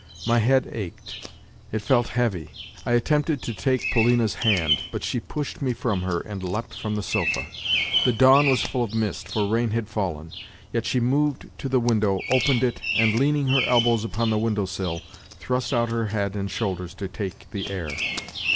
My head ached; it felt heavy. I attempted to take Polina's hand, but she pushed me from her, and leapt from the sofa. The dawn was full of mist, for rain had fallen, yet she moved to the window, opened it, and, leaning her elbows upon the window sill, thrust out her head and shoulders to take the air.